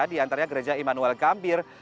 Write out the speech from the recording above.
di antaranya gereja immanuel gambir